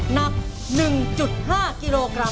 หนัก๑๕กิโลกรัมครับ